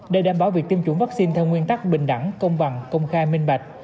để đảm bảo việc tiêm chủng vaccine theo nguyên tắc bình đẳng công bằng công khai minh bạch